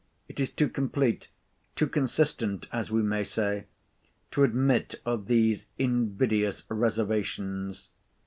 It is too complete—too consistent, as we may say—to admit of these invidious reservations.